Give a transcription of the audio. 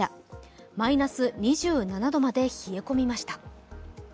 マイナス２７度まで冷え込みました。